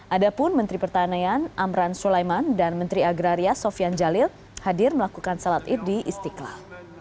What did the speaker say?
ada pun menteri pertanian amran sulaiman dan menteri agraria sofian jalil hadir melakukan salat id di istiqlal